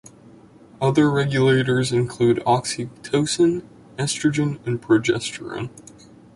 Other regulators include oxytocin, estrogen and progesterone.